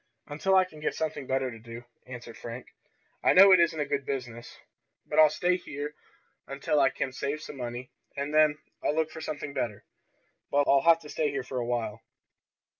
"Until I can get something better to do," answered Frank. "I know it isn't a good business, but I'll stay here until I can save some money, and then I'll look for something better. But I'll have to stay here for a while."